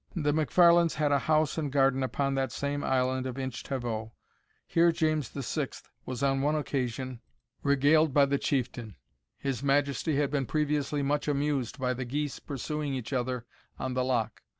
The MacFarlanes had a house and garden upon that same island of Inch Tavoe. Here James VI. was, on one occasion, regaled by the chieftain. His Majesty had been previously much amused by the geese pursuing each other on the Loch.